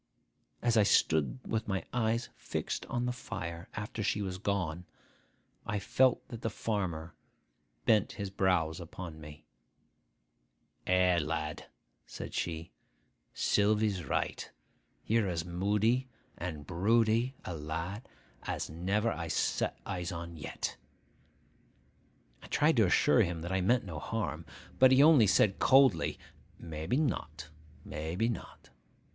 As I stood with my eyes fixed on the fire, after she was gone, I felt that the farmer bent his brows upon me. 'Eh, lad!' said he; 'Sylvy's right. You're as moody and broody a lad as never I set eyes on yet.' I tried to assure him that I meant no harm; but he only said coldly, 'Maybe not, maybe not!